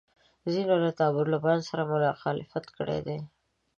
ځینو له طالبانو سره مخالفت کړی دی.